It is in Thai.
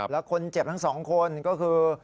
แล้วคนเจ็บทั้งสองคนก็คือ